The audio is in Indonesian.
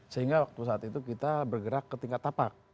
sehingga waktu saat itu kita bergerak ke tingkat tapak